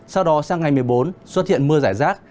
sau đó sang ngày một mươi bốn xuất hiện mưa rải rác